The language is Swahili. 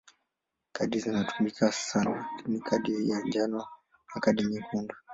Kadi zinazotumika sana ni kadi ya njano na kadi nyekundu.